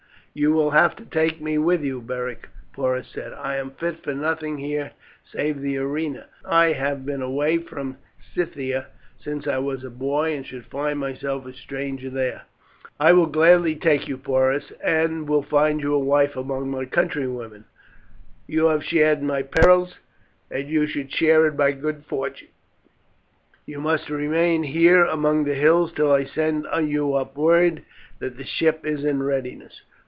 "You will have to take me with you, Beric," Porus said. "I am fit for nothing here save the arena. I have been away from Scythia since I was a boy, and should find myself a stranger there." "I will gladly take you, Porus, and will find you a wife among my countrywomen. You have shared in my perils, and should share in my good fortunes. You must all remain here among the hills till I send you up word that the ship is in readiness.